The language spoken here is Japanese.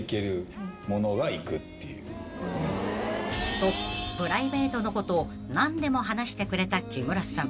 ［とプライベートのことを何でも話してくれた木村さん］